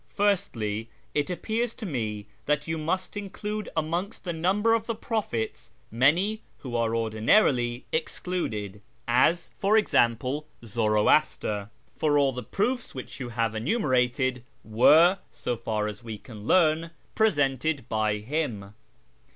Firstly, it appears to me that you must include amongst the number of the prophets many who are ordinal ily excluded, as, for example, Zoroaster; for all the proofs which you have enumerated were, so far as we can learn, presented by him.